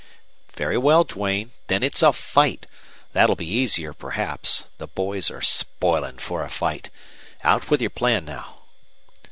"Very well, Duane; then it's a fight. That'll be easier, perhaps. The boys are spoiling for a fight. Out with your plan, now."